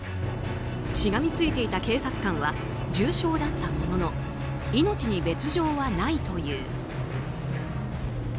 しがみついていた警察官は重傷だったものの命に別条はないという。